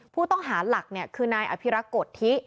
ผู้ต้องหาหลักเนี่ยคือนายอภิระโกรธิ